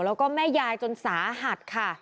แล้วก็แม่ยายจนสาหัสค่ะ